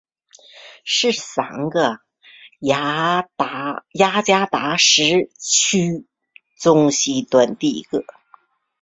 是三个雅加达时区中西端第一个。